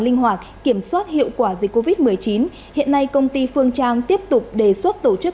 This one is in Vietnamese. linh hoạt kiểm soát hiệu quả dịch covid một mươi chín hiện nay công ty phương trang tiếp tục đề xuất tổ chức